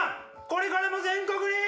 これからも全国に。